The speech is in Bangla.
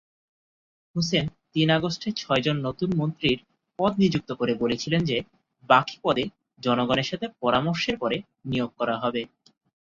হুসেন তিন আগস্টে ছয়জন নতুন মন্ত্রীর পদ নিযুক্ত করে বলেছিলেন যে বাকী পদে জনগণের সাথে পরামর্শের পরে নিয়োগ করা হবে।